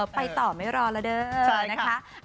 ไปต่อไม่รอละเดินนะคะ